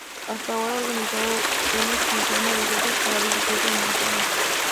Hasta ahora ha organizado una quincena de rutas para bicicleta de montaña.